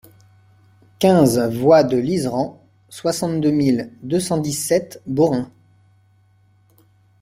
quinze voie de l'Iseran, soixante-deux mille deux cent dix-sept Beaurains